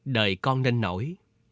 đời con nên nổi